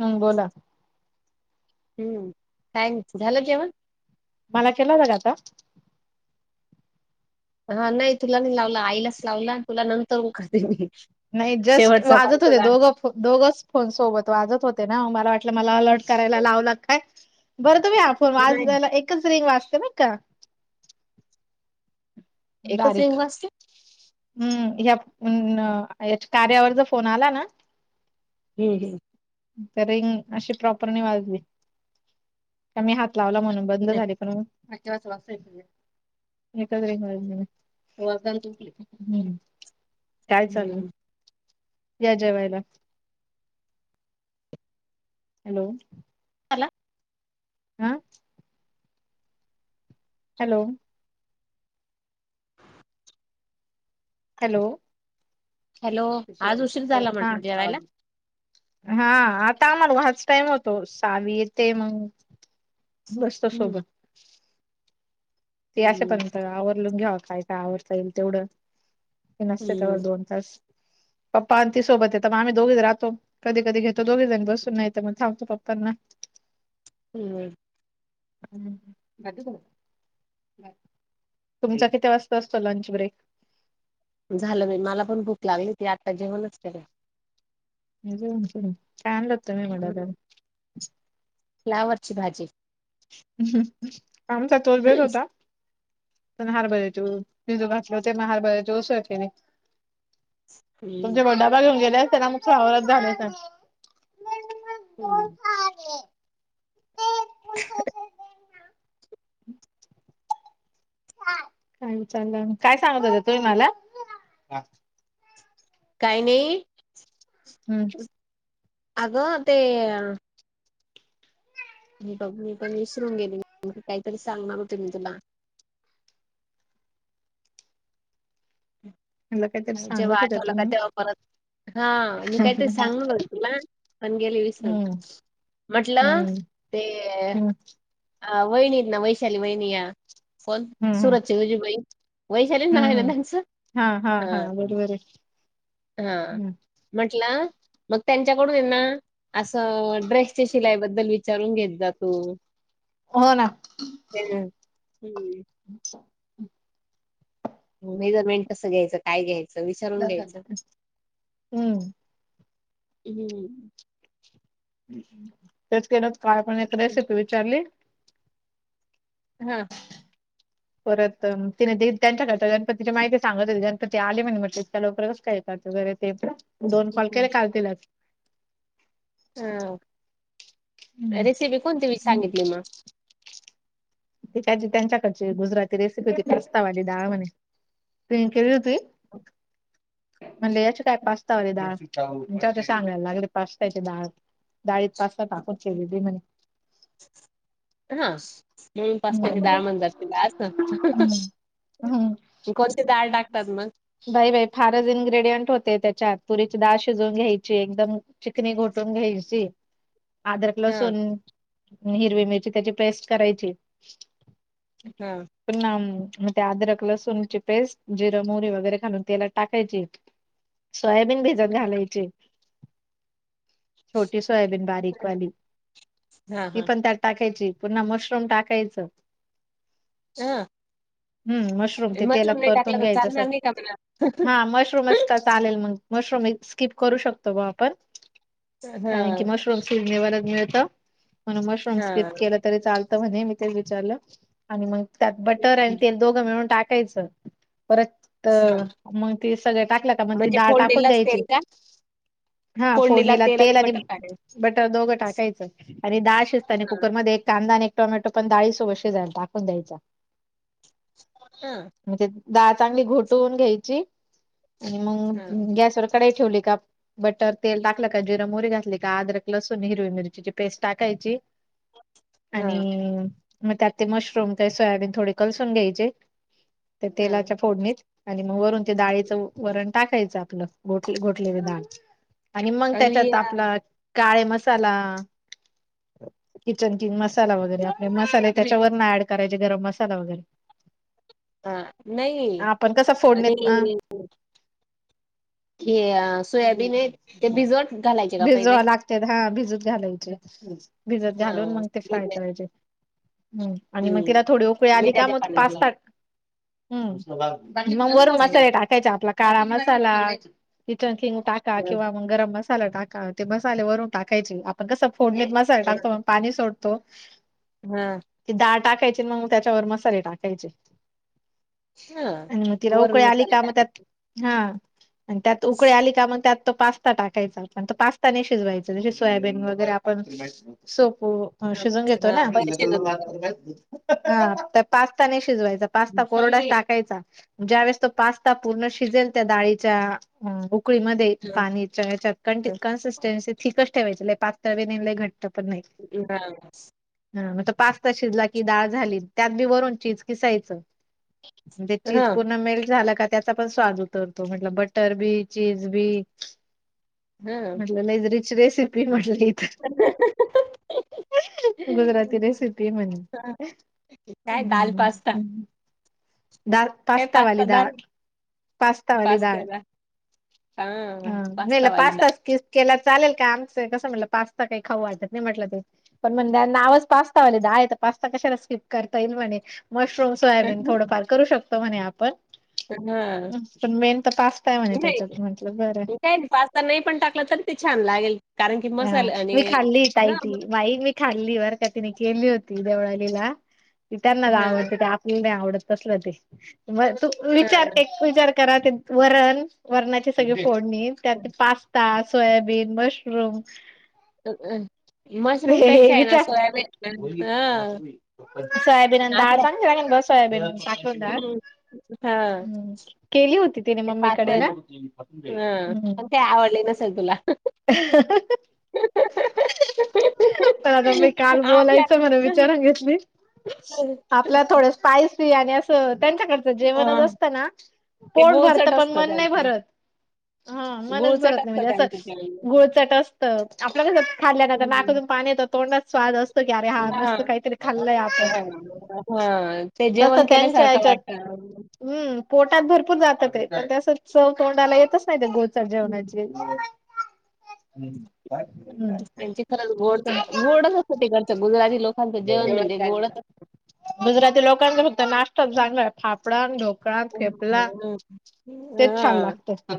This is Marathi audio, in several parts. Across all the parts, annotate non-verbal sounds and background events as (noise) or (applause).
हम्म बोला. हम्म, काय झालं जेवण? मला केला होता का आता? हा नाही तुला नाही लावला आईलाच लावला. तुला नंतरुन कारते मी शेवटचा कॉल तुला. दोघच फोन सोबत वाजत होते. ना मला वाटलं मला अलर्ट करायला असतो. लावलं काय. बर तुम्ही हा फोन नाही वाजुदेला एकच रिंग वाजते बर का. एकच रिंग डायरेक्ट वाजते? हम्म ह्या कार्यावरचा फोन आला ना. हे, हे. तर रिंग अशी प्रॉपर नाही वाजली. का मी हात लावला म्हणून बंद नाही. झाले. नाही केव्हाच वाजतेय ते. एकच रिंग वाजली (unintelligible) हम्म. काय चालल? हं. या जेवायला. हॅलो. मला. हा. हॅलो. हॅलो. हॅलो, आज उशीर झाला हा म्हटलं जेवायला? आवाज‌. हा आता आम्हाला हाच टाईम होतो साहावी येते मग बस्ता हं, सोबत. ते असे हं, पर्यंत आवरलून घ्यावा काय, काय आवरता येईल तेवढं नसते हं, त्यावर दोन पप्पा आणि ती सोबत येत मग आम्ही दोघीच राहतो कधी, कधी घेतो. दोघी जणी बसून नाही मग थांबतो पप्पांना. हम्म. तुमचा किती वाजता असतो लंच ब्रेक? झालं बाई मला पण भूक लागली होती आत्ता जेवणच केल. काय आणलं होत तुम्ही मग हं, डब्याला? फ्लावरची भाजी. आमचा तोच बेत हं, होता. पण हरभऱ्याची ऊ भिजू घातले होते ना म हरभऱ्याची उसळ केली. तुमचे बडा घेऊन गेले असतेना म फ्लावरच घालुन त्यात. हम्म. हम् (unintelligible) काय विचारल काय सांगत होते तुम्ही मला? काही नाही. हम्म. अग ते हे बघ मी पण विसरून गेले काहीतरी सांगणार होते मी तुला. म्हटलं काहीतरी जेव्हा सांगत होत्या आठवलं का तुम्ही तेव्हा परत हा मी काहीतरी सांगणार होती तुला पण गेले विसरून. हम्म म्हटलं हम्म ते हम्म अ वहिणी हायना वैशाली वहिणी या कोण हम्म हम्म सुरतची विजूबइन. वैशालीच नाव आहे हम्म ना हम्म त्यांचं हा, हा. हम्म म्हंटलं मग त्यांच्याकडून ये ना असं ड्रेसच्या शिलाईबद्दल विच चारून घेतजा तू. हो ना. हम्म, हम्म. मेजरमेंट कसं घ्यायचं काय घ्यायचं विचारून घ्यायचं. हम्म हम्म. तेच के काय पण एक हं. रेसिपी विचारली. हा. परत तिने त्यांच्याकडच्या गणपतीची माहिती सांगत हो गणपती आले म्हणे म्हटले त्या लवकरच काय (inaudible) त वगैरे ते पण दोन कॉल केले हं, कालतीलच हा रेसिपी कोणती सांगितली मग? त्यांच्याकडची गुजराती रेसिपी होती प्रस्तावा आलीडाळ म्हने ते केली होती. म्हणजे याची काय पास्तावरली डाळच्या संगायला लागली पास्ताची डाळ डाळीत पास्ता टाकून शिजव म्हणे. हा म्हणून पस्त्याची हम्म दाळमण जातला अस हम्म कोणच डाळ टाकतात मग बाई बाई फारच इन्ग्रेडियंट होते त्याच्यात पुरीची डाळ शिजवून घ्यायची एकदम चिकनी घोटून घेईची आदरक हा लसून हिरवी मिरची त्याची प्रेस्ट करायची हा. पण मे अद्रक लसूनणची पेस्ट जिरा मोहरी वैगरे वगैरेालून तेलात टाकायचे सोयाबीन भेजत घालायचे छोटी सोयाबीन बारीकवाली हा ती हा पण त्या टाकायची पुन्हा मशरूम टाकायचं ह हम्म मशरूम ते तेलात नाही टाकला परतून तर घ्यायचं सग चालणार नाही का मला? हा मशरूमच चालेल मग मशरूम स्कीिप करू शकतो बुआ आपण. कारण की हा मशरूम स्कि (inaudible) निवायला मिळत म्हणून मशरूम हा स्किप केलं. तरी चालतं म्हणे मी ते विचारलं आणि मग त्यात बटर आणि तेल दोघं मिळून टाकायचं परत हा तर मग ती सगळे टाकलं का मग ती म्हणजे डाळ टाकून फोडणीलाच द्यायची तेल का? हा फोडणीला तेल आणि बटर दोघं टाकायचं आणि डाळ आणि हा कुकर मध्ये एक कांदा आणि एक टोमॅटो पण डाळी सोबत शिजायला टाकून द्यायचा. हा. म्हण तेे डाळ चांगली घोटवून घ्यायची. आणि मग हा गॅसवर कढाई ठेवली का बटर तेल टाकलं का जिर मोरी घातली का अदरक लसूण हिरवी मिरचीची पेस्ट टाकायची. हा आणि मग त्यात ते मशरूम का सोयाबीन थोडे कलसून घ्यायचे त्या हा तेलाच्या फोडणीत. आणि मग वरून ते डाळीच वरण टाकायचं आपलं घोट घोटलेली डाळ. आणि मग त्याच्यात आपला काळे मसाला किचन किंग मसाला वगैरे आपले मसाले त्याच्यावरन ऍड करायचे गरम मसाला वगैरे. ह नाही. पण कस आणि फोडण्यात म हे सोयाबीन आहे ते भिजवत घालायचे का पहिले त्यात हा भिजत घालायचे भिजत हा घालून मग ते फ्राय म्हणजे करायचे. हम्म आणि मग हम्म तिला थोडी उकळी आली का मिठाच्या मग पाण्यात पाचता् (unintelligible) हम. मग वरू मसाले हो टाकायचे आपला काळा मसाला किचन किंग टाका किंवा मग गरम मसाला टाका ते मसाले वरून टाकायचे आपण कसं फोडलीत मसाला टाकतो मग पाणी सोडतो. हम्म. ती डाळ टाकायची मग त्याच्यावर मसाले टाकायचे. हा आणि मग तिला वरून उकळी आली मसाले का मग त्यात टाकायचे. हा आणि त्यात उकळी आली का मग त्यात त पाच स्ता टाकायचा आपण तर पास्ताने शिजवायच जसे सोयाबीन वगैरे आपण सोपो मग हा शिजून घेतो हा ना. पहिले शिजवून ह पास्ता नाही शिजवायचा, हां, पास्ता कोरडा टाक खायचा ज्या वळेस तो पास्ता पूर्ण शिजेल, त्या डाळीच्या उकळीमध्ये पाणीच्या हां. कन्सिस्टन्सी थिकच ठेवायची पातळ बी नाय घट्ट पण नाही. बर हा मग त पास्ता शिजला की डाळ झाली, त्यात बी वरून चीज किसायचं. म्हणजे चीज हां, पूर्ण मेल्ट झाला का त्याचा पण स्वाद उतरतो म्हटलं बटर बी, चीज बी हां. म्हणले लइ रिच रेसिपी म्हटलं ही तर गुजराती रेसिपी आहे म्हणे हां, काय दाल पास्ता. दाळ, काय पास्ता वाली दाल डाळ, पास्ता वाली डाळ पास्त्याला हां, हा मेला पास्तावाली पास्ता दाल. अस क केला चालेल का आमचं कसं म्हटलं पास्ता काही खाऊ वाटत नाही म्हटलं ते पण म्हण त्यांना आज पास्तावाले द आहे तर पास्ता कशाला स्किप करता येईल म्हणे मशरूम सोयाबीन थोडंफार करू शकतो म्हणे आपण हां, पण मेन तर पास्ताय म्हणे त्याच्यात, म्हटलं बरं. काही नाही, पास्ता नाही पण टाकलं तरी ते छान लागेल. कारण की हा मसाले आणि मी खाल्लीय ताई हां, ती मग मी खाल्ली बर का तिने केली होती देवळलीला ती त्यांना हां, गावाकडे आवड नाही आवडत तसलं तर म तू विचार हां. एक विचार करा ते वरण वरणाची सगळी फोडणी, त्यात पास्ता, सोयाबीन, मशरूम ह हमं हे विचार हां, सोयाबीन अन् दाळ आपल्या चांगली लगीन, रोज सोयाबीन टाकून डाळ हं, हां, हम्म केली होती तिने ते पास्ता मम्मीकडे ना? चल तुला अ (unintelligible) पण आता मी काल आपल्या बोलायचं म्हणून विचारून घेतली. आपल्या थोड स्पायसी आणि अस त्यांच्याक जेवणच हां, असतं ना ते पोट भरत, गुळचट पण असतं मन नाही त्यांचं. भरत. हा मनच गुळचट भरत नाही असतं म्हणजे त्यांचं असं जेवण. गोळचाट असत, आप लो कसं खाल्ल्या नंतर हं. नाकातून पाणी येतं तोंडच स्वाद असतो. की अरे हा हां, मस्त काहीतरी खाल्लय आपण हां, हां. ते तस जेवण त्यांच्या केल्यासारखं याच्यात वाटतं. हम् पोटात भरपूर जात ते पण तस चव तोंडाला येतच नाही ते गोडचट हं. जेवणाची हम्म काय त्यांची खरंच गोड गोडच असतं तिकडच्या गुजराती लोकांचं जेवण म्हणजे गोडच गुजराती लोकांचं फक्त नाश्ता चांगलं फापडा, ढोकळा अन थेपला, हं, तेच छान हां. लागतं.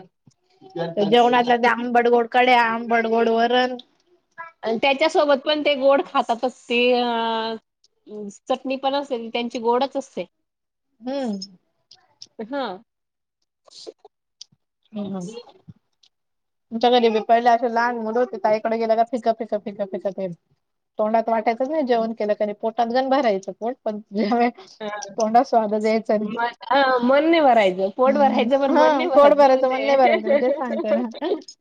जेवणाच्या ते आंबडगोड कड्या आंबडगोड वरन त्याच्यासोबत पण ते गोड खातातच ते अ चटणी पण असते त्यांची गोडच असते. हम्म हा हम् तुमच्या घरी बि पाहिले असे लहान मुल होते ताई कडे गेला का फिक फिक फिक फिक ते तोंडात वाटायचंच नाही जेवण केलं तरी पोटात गण भरायचं पोट पण जे म मन आ मन नाही भरायच, पोट हम्म भरायचं पण मन हा नाही पोट भरायच तुमी भरायचं मन नाही भरायच मी तेच सांगते ना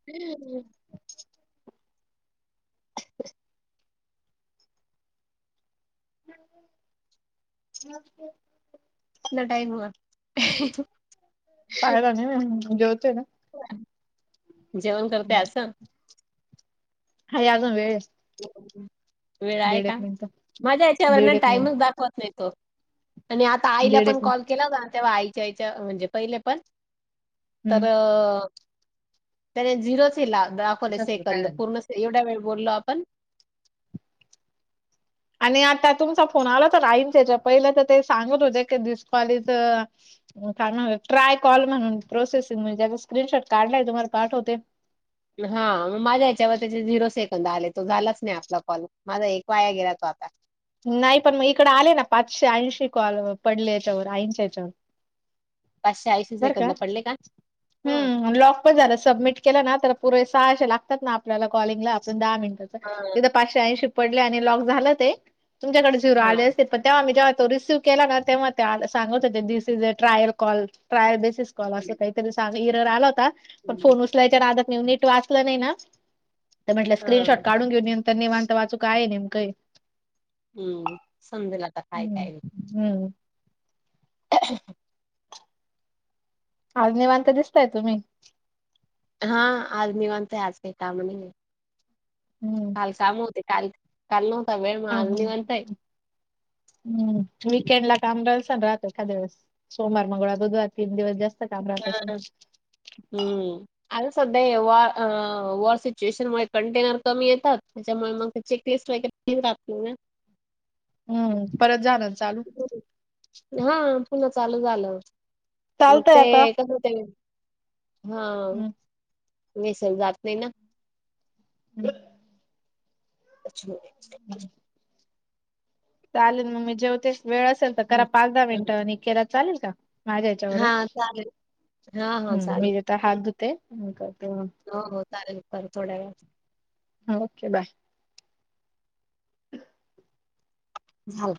हम् नव्हते कितना टाईम हुआ पाहाला नाही मीने जेवतेय ना जेवण करते असं हाये याजून वेळे हे वेळ आहे का माझ्या याच्यावरणा दीड एक मिनिट टाइमच दाखवत नाही तो आणि आता आईला दीड पण एक मिनिट कॉल केला होता ना तेव्हा आईच्या याच्यावरून म्हणजे पहिले पण हम्म तर त्याने झिरो च हिला दाखवले सेकंद पूर्ण एवढ्या वेळ बोललो आपण आणि आता तुमचा फोन आला तर आईंच्या इच्यावर पहिलं तर ते सांगत होते डिसकॉल इथं तर काय नाव हे ट्राय कॉल म्हणून प्रोसेसिंग म्हण्जे स्क्रीनशॉट काढलाय तुम्हाला पाठवते हा मग माझ्या याच्यावर त्याचे झिरो सेकंद आले तो झालाच नाही आपला कॉल माझा एक वाया गेला तो आता नाही पण मग इकड आले ना पाचशे ऐंशी कॉल पडले याच्यावर आईंच्या याच्यावर बर सेकंद का पडले हं, हम्म लॉक बर झाल सबमीटकेले ना तर पुरे सहाशे लागतात ना आपल्याला कॉलिंगला दहा मिनीट तरी हां, जिथ पाचशे ऐंशी पडले आणि लॉक झालं ते तुमच्याकडे जिरो आले हां. अस पण तेव्हा मी जेव्हा तो रिसिव्ह केला ना तेव्हा सांगत होते this is a trial call trial basis call अस हं, काहीतरी साद इरर आला होता पण हं. फोन उचलायच्या नादात नीट वाचलं नाही ना तर म्हटलं स्क्रीनशॉट हां, काढून घेऊ नंतर निेवांत वाचूक आहे नेमकं हे ह समजल आ ह, ह हच्छा आज निवांत दिसताय तुम्ही हा आज नीवांत आहे काय काम नाहीये हम्म काल काम होते काल, काल नव्हता वेळ मग आज निवांत हाय हम् वीकेंड ला काम राहिलस ना राहत एखाद द वेळेस सोमवार, मंगळवार, बुधवार तीन दिवस जास्त काम राहत असलं हम्म आ सध्या वॉ वॉर सिच्युएशन मुळे कंटेनर कमी येतात त्याच्यामुळे मग त्याचे एक टेस्ट वगैरे राहातते ना हम्म परत जा ना चालू हा पुन्हा चालू झालं मग चालतंय ते आता. कस होते हा हम्म विसर जात नाही ना ह अच्छा चालेल मग मी जेव वेळ असेल तर करा हं, पाच दहा हं. मिनिटं आणि केला चालेल का माझ्या यच्यावरून हां, चालेल. हां, हां, ह चालेल. मी आता धुते करते मग हो, हो चालेल कर थोड्या वेळात ओके बाय (inaudible) झाल